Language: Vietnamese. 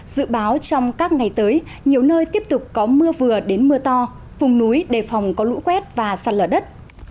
dự báo trong các ngày tới nhiều nơi tiếp tục có mưa vừa đến mưa to vùng núi đề phòng có lũ quét và sạt lở đất